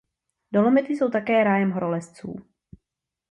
Dolomity jsou také rájem horolezců.